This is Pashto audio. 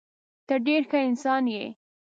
ته ډېر ښه انسان یې.